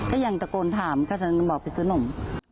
ก็ยังตะโกนถามก็จะบอกไปซื้อนม